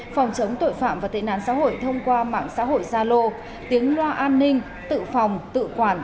phòng chống tội phạm và tên nạn xã hội thông qua mạng xã hội gia lô tiếng loa an ninh tự phòng tự quản